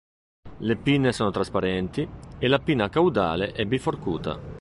Le pinne sono trasparenti, e la pinna caudale è biforcuta.